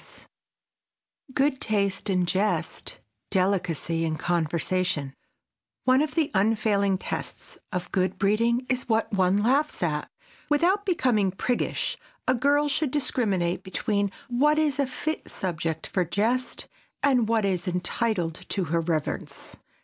[Sidenote: GOOD TASTE IN JEST] [Sidenote: DELICACY IN CONVERSATION] One of the unfailing tests of good breeding is what one laughs at. Without becoming priggish, a girl should discriminate between what is a fit subject for jest and what is entitled to her reverence.